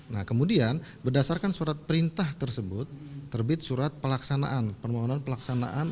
nah kemudian berdasarkan surat perintah tersebut terbit surat pelaksanaan